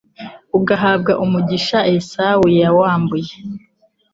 ugahabwa umugisha Esawu yawambuye